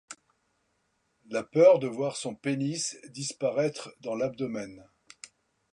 La peur de voir son pénis disparaître dans l’abdomen.